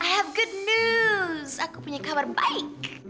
i have good news aku punya kabar baik